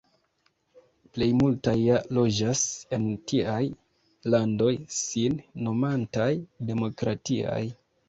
Plej multaj ja loĝas en tiaj landoj sin nomantaj demokratiaj.